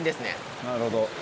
なるほど。